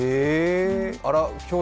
あら。